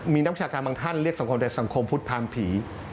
มีนักศึกษาการบางท่านเรียกสังคมเป็นสังคมภูทธพราหมณ์ผี